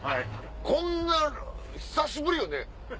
こんな久しぶりよね？